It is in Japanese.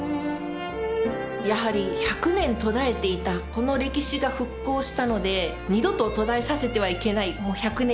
やはり１００年途絶えていたこの歴史が復興したので二度と途絶えさせてはいけないもう１００年